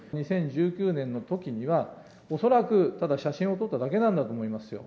２０１９年のときには恐らく、ただ写真を撮っただけなんだと思いますよ。